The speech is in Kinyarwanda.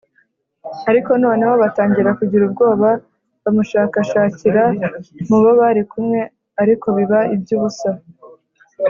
Ariko noneho batangira kugira ubwoba. Bamushakashakira mu bo bari kumwe, ariko biba iby’ubusa